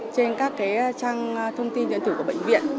trên các trang thông tin nhận thử của bệnh viện